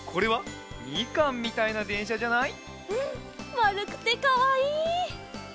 まるくてかわいい。